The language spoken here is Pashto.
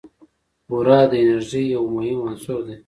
بوره د انرژۍ یو مهم عنصر دی.